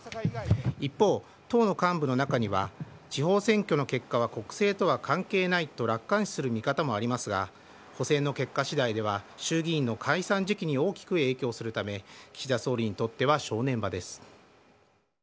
一方、党の幹部の中には、地方選挙の結果は国政とは関係ないと楽観視する見方もありますが、補選の結果次第では、衆議院の解散時期に大きく影響するため、岸田総理にとっては正念場です。